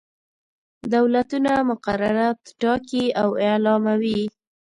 دولتونه مقررات ټاکي او اعلاموي.